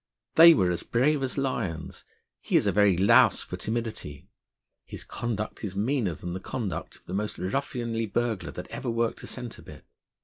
They were as brave as lions; he is a very louse for timidity. His conduct is meaner than the conduct of the most ruffianly burglar that ever worked a centre bit.